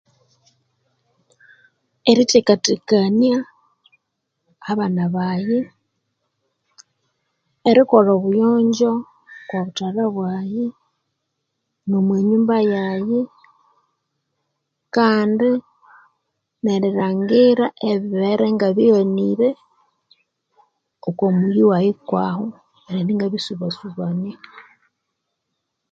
Erithekathekania abana bayi, erikolha obuyongyo okwa buthalha bwayi nomwa nyumba yayi kandi nerilhangira ebibere ngabighanire okwa muyi wayi kwaho erighenda ingabisubasubania.